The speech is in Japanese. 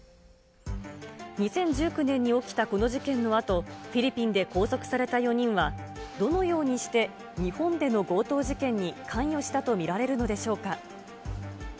２０１９年に起きたこの事件のあと、フィリピンで拘束された４人は、どのようにして日本での強盗事件に関与したと見られるのでしょうか。